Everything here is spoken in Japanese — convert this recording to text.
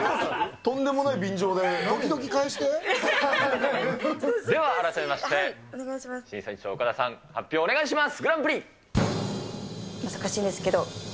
とんでもない便乗で、では改めまして、審査員長、岡田さん、発表をお願いします。